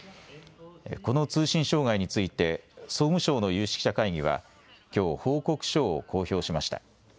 この通信障害について総務省の有識者会議はきょう報告書を公表しました。